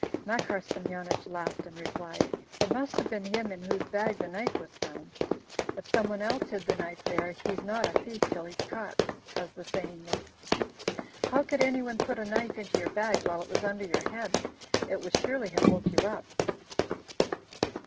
Makar Semyonich laughed, and replied: "It must have been him in whose bag the knife was found! If some one else hid the knife there, 'He's not a thief till he's caught,' as the saying is. How could any one put a knife into your bag while it was under your head? It would surely have woke you up."